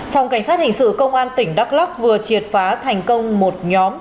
phòng cảnh sát hình sự công an tỉnh đắk lắc vừa triệt phá thành công một nhóm